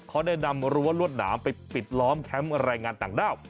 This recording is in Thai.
เขาได้นำรั้วรวดหนามไปปิดล้อมแคมป์แรงงานต่างด้าว